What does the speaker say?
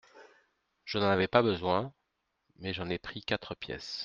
Je n’en avais pas besoin… mais j’en ai pris quatre pièces.